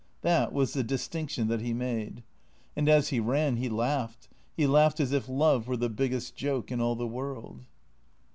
That was the distinction that he made. And as he ran he laughed, he laughed as if love were the biggest joke in all the world.